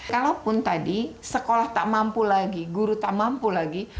kalaupun tadi sekolah tak mampu lagi guru tak mampu lagi